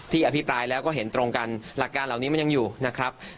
อภิปรายแล้วก็เห็นตรงกันหลักการเหล่านี้มันยังอยู่นะครับ